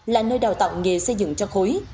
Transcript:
là nơi đào tạo nghề xây dựng cho khối